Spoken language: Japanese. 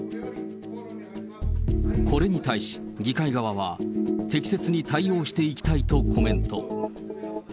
これに対し、議会側は、適切に対応していきたいとコメント。